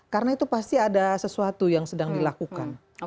karena itu pasti ada sesuatu yang sedang dilakukan